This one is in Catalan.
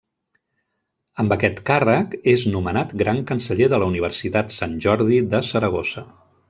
Amb aquest càrrec, és nomenat gran canceller de la Universitat Sant Jordi de Saragossa.